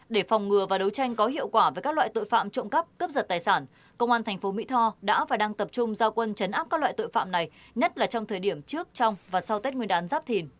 để phòng ngừa và đấu tranh có hiệu quả với các loại tội phạm trộm cắp cướp giật tài sản công an thành phố mỹ tho đã và đang tập trung giao quân chấn áp các loại tội phạm này nhất là trong thời điểm trước trong và sau tết nguyên đán giáp thìn